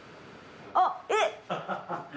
あっえっ！